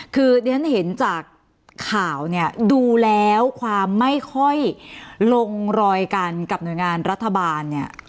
คือเรียนเห็นจากข่าวเนี่ยดูแล้วความไม่ค่อยลงรอยกันกับหน่วยงานรัฐบาลเนี่ย